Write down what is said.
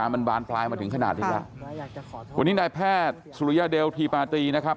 มันบานปลายมาถึงขนาดนี้แล้ววันนี้นายแพทย์สุริยเดลทีปาตีนะครับ